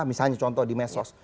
misalnya contoh di mesos